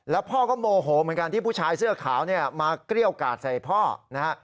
แล้วพ่อก็โมโหเหมือนกันที่ผู้ชายเสื้อขาวเนี่ยมาเกรี้ยวกาดใส่พ่อนะฮะ